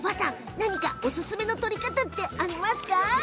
何か、おすすめの撮り方ってありますか？